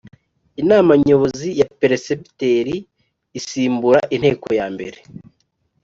Inama Nyobozi ya Peresibiteri isimbura Inteko yambere